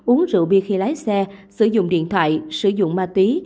uống rượu bia khi lái xe sử dụng điện thoại sử dụng ma túy